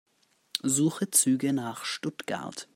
Suche Züge nach Stuttgart.